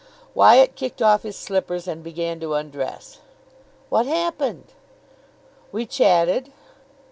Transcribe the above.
Wyatt kicked off his slippers, and began to undress. "What happened?" "We chatted."